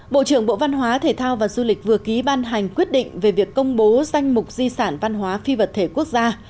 bộ trưởng bộ văn hóa thể thao và du lịch vừa ký ban hành quyết định về việc công bố danh mục di sản văn hóa phi vật thể quốc gia